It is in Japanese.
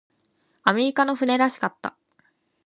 アメリカの船らしかった。